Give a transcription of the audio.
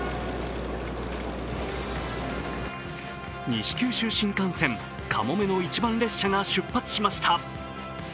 西九州新幹線かもめの一番列車が出発しました。